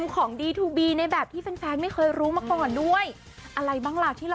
ก็เบื่อกันเลยนะ